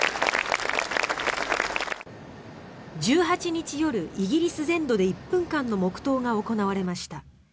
１８日夜、イギリス全土で１分間の黙祷が行われました。